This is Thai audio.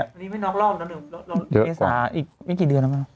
อันนี้ไม่นอกรอบแล้วหนึ่งเดือนเมษาอีกไม่กี่เดือนแล้วไหม